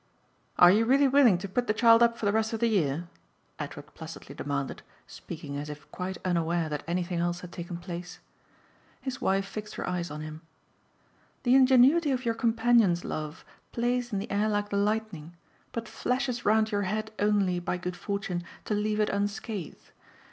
"Are you really willing to put the child up for the rest of the year?" Edward placidly demanded, speaking as if quite unaware that anything else had taken place. His wife fixed her eyes on him. "The ingenuity of your companions, love, plays in the air like the lightning, but flashes round your head only, by good fortune, to leave it unscathed.